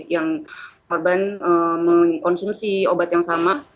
yang korban mengkonsumsi obat yang sama